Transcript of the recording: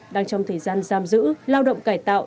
đang trong thời gian giam giữ lao động cải tạo